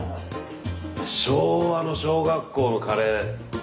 昭和の小学校のカレー。